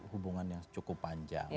hubungan yang cukup panjang